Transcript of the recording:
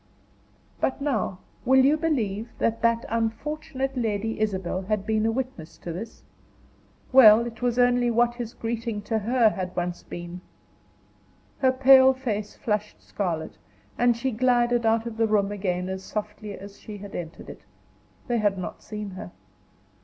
But now, will you believe that that unfortunate Lady Isabel had been a witness to this? Well, it was only what his greeting to her had once been. Her pale face flushed scarlet, and she glided out of the room again as softly as she had entered it. They had not seen her.